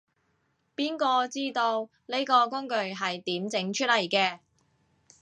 邊個知道，呢個工具係點整出嚟嘅